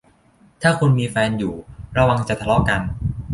ถ้าคุณมีแฟนอยู่ระวังจะทะเลาะกัน